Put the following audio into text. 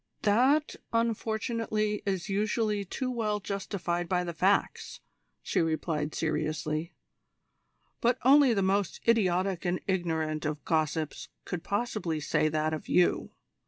"That, unfortunately, is usually too well justified by the facts," she replied seriously. "But only the most idiotic and ignorant of gossips could possibly say that of you.